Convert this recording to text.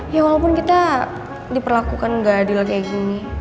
ya walaupun kita diperlakukan ngga diulang kaya gini